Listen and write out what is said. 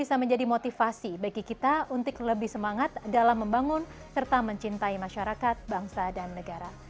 bisa menjadi motivasi bagi kita untuk lebih semangat dalam membangun serta mencintai masyarakat bangsa dan negara